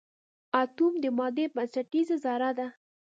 اټوم د مادې بنسټیزه ذره ده.